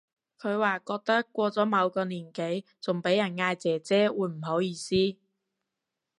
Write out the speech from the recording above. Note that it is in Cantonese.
佢話覺得過咗某個年紀仲俾人嗌姐姐會唔好意思